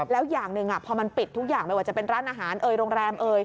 แล้วอย่างหนึ่งพอมันปิดทุกอย่างไม่ว่าจะเป็นร้านอาหารเอ่ยโรงแรมเอย